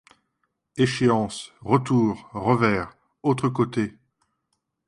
Échéance! retour ! revers ! autre côté !